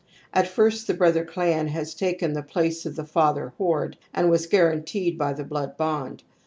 At first the brother clan has taken the place of the father horde and was guaranteed by the blood bond.